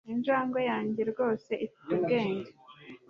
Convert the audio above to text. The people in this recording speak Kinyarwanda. Injangwe yanjye rwose ifite ubwenge